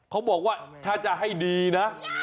เขาบอกว่าถ้าจะให้ดีนะ